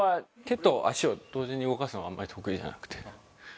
手と足を同時に動かすのがあんまり得意じゃなくて。